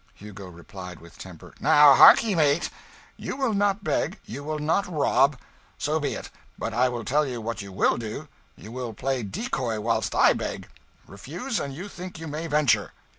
Hugo replied, with temper "Now harkee, mate; you will not beg, you will not rob; so be it. But I will tell you what you will do. You will play decoy whilst I beg. Refuse, an' you think you may venture!"